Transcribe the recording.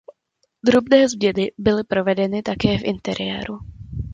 Drobné změny byly provedeny také v interiéru.